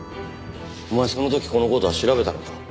お前その時この事は調べたのか？